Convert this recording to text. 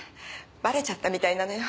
バレちゃったみたいなのよ。